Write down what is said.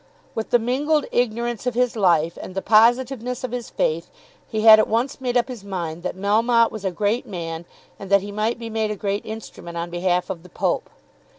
With the mingled ignorance of his life and the positiveness of his faith he had at once made up his mind that Melmotte was a great man, and that he might be made a great instrument on behalf of the Pope.